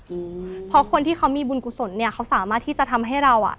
อืมเพราะคนที่เขามีบุญกุศลเนี้ยเขาสามารถที่จะทำให้เราอ่ะ